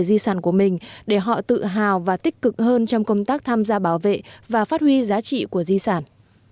di sản của mình để họ tự hào và tích cực hơn trong công tác tham gia bảo vệ và phát huy giá trị của di sản